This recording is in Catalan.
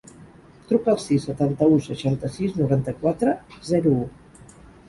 Truca al sis, setanta-u, seixanta-sis, noranta-quatre, zero, u.